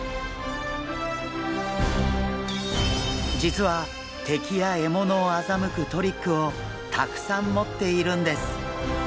実は敵や獲物をあざむくトリックをたくさん持っているんです！